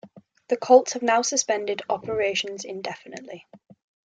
The Colts have now suspended operations indefinitely.